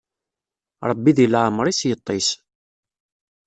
Ṛebbi di leɛmeṛ-is yeṭṭis.